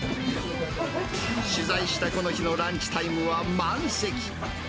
取材したこの日のランチタイムは満席。